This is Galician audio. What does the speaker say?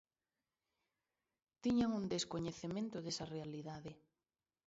Tiñan un descoñecemento desa realidade.